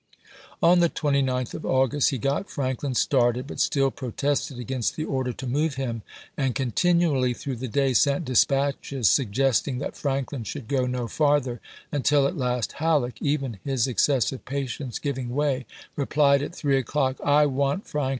vS.xi., On the 29th of August he got Franklin started, ^'!^, 98. but still protested against the order to move him, and continually through the day sent dispatches suggesting that Franklin should go no farther, until at last Halleck, even his excessive patience giving way, replied at three o'clock, " I want Frank voY'xii..